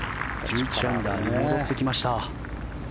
１１アンダーに戻ってきました。